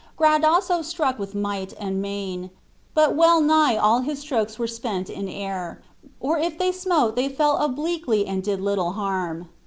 Gradasso struck with might and main, but wellnigh all his strokes were spent in air, or if they smote they fell obliquely and did little harm.